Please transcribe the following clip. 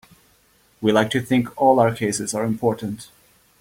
We like to think all our cases are important.